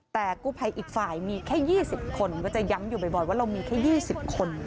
แต่กู้ภัยอีกฝ่ายมีแค่๒๐คนก็จะย้ำอยู่บ่อยว่าเรามีแค่๒๐คน